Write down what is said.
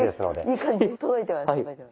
いい感じに届いてます。